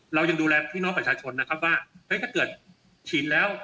เรายังดูแลพี่น้องประชาชนนะครับว่าเฮ้ยถ้าเกิดฉีดแล้ว